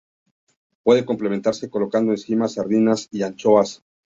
Puede completarse colocando encima sardinas o anchoas.